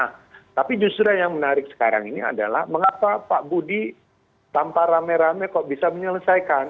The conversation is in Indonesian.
nah tapi justru yang menarik sekarang ini adalah mengapa pak budi tanpa rame rame kok bisa menyelesaikan